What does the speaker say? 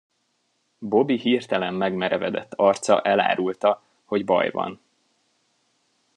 Bobby hirtelen megmerevedett arca elárulta, hogy baj van.